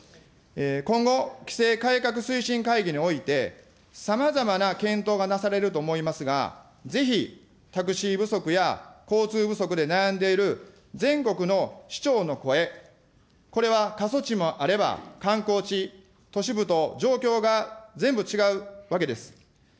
今後、規制改革推進会議において、さまざまな検討がなされると思いますが、ぜひ、タクシー不足や交通不足で悩んでいる全国の市長の声、これは過疎地もあれば、観光地、都市部と、状況が全部違うわけです。